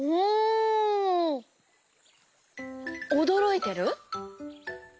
おどろいてる？